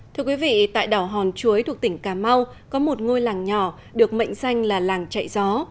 thưa quý vị tại đảo hòn chuối thuộc tỉnh cà mau có một ngôi làng nhỏ được mệnh danh là làng chạy gió